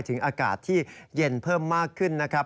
อากาศที่เย็นเพิ่มมากขึ้นนะครับ